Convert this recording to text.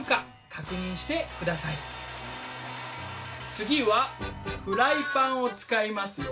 次はフライパンを使いますよ。